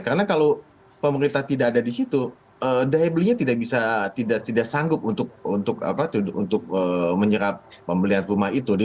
karena kalau pemerintah tidak ada di situ daya belinya tidak bisa tidak sanggup untuk menyerap pembelian rumah itu